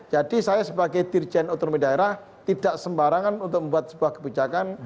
jadi saya sebagai dirjen otomobili daerah tidak sembarangan untuk membuat sebuah kebijakan